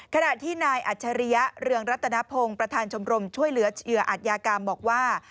ขณะที่นายอัจฉริยะเรืองรัตนพงศ์ประธานชมรมช่วยเหลือเหยื่ออาจยากรรมบอกว่า